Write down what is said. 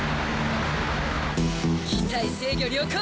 機体制御良好！